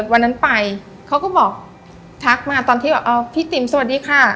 วันนั้นไปเขาก็บอกทักมาตอนที่แบบเอาพี่ติ๋มสวัสดีค่ะ